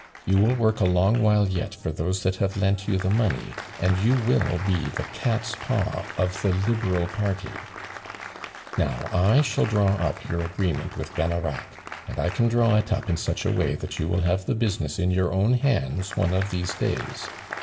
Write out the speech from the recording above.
You will work a long while yet for those that have lent you the money, and you will be the cat's paw of the Liberal party. ... Now I shall draw up your agreement with Gannerac, and I can draw it up in such a way that you will have the business in your own hands one of these days.